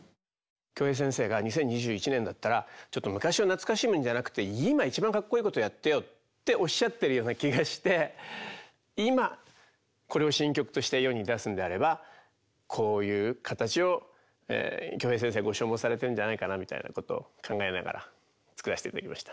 京平先生が２０２１年だったらちょっと昔を懐かしむんじゃなくて今一番かっこいいことやってよっておっしゃってるような気がして今これを新曲として世に出すんであればこういう形を京平先生はご所望されてるんじゃないかなみたいなことを考えながら作らせていただきました。